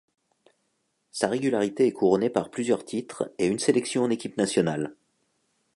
Sa régularité est couronnée par plusieurs titres et une sélection en équipe nationale.